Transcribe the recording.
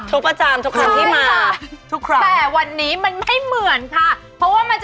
ทุกประจำทุกครั้งที่มา